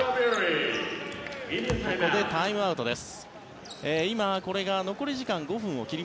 ここでタイムアウトです。